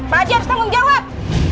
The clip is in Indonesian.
pak haji harus tanggung jawab